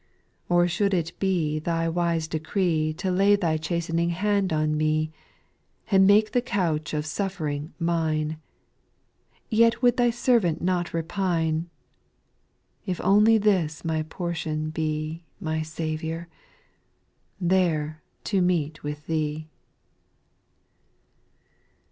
4. Or should it be Thy wise decree To lay Thy chastening hand on me, And make the couch of suffering mine, Yet would Thy servant not repine. If only this my portion be. My Saviour I there to meet with Thee.